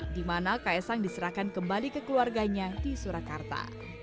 dimana kaisang diserahkan kembali ke keluarganya di surakarta